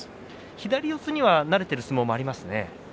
左四つにはなれている相撲もありますね。